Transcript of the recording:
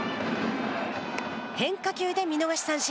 変化球で見逃し三振。